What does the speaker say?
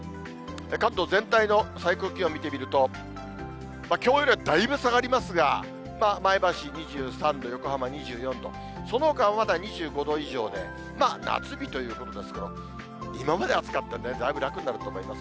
関東全体の最高気温見てみると、きょうよりはだいぶ下がりますが、前橋２３度、横浜２４度、そのほかはまだ２５度以上で、夏日ということですけど、今まで暑かったんで、だいぶ楽になると思います。